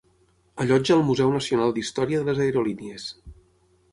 Allotja el Museu Nacional d'Història de les Aerolínies.